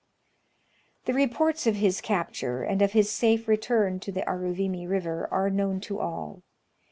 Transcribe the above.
The reports of his capture, and of his safe return to the Aruvimi River, are known to all.